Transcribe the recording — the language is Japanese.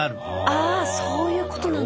あそういうことなんだ。